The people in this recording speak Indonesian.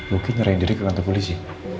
mungkin nyerahin diri ke kantor polisi